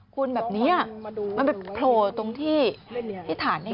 คุณแบบนี้มันเป็นโผล่ตรงที่ฐานยังไง